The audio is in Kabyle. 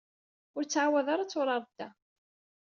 Ur ttɛawad ara ad turareḍ da.